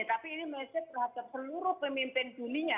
tapi ini mesej terhadap seluruh pemimpin dunia